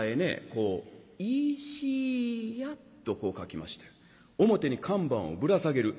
こう「いしや」とこう書きまして表に看板をぶら下げる。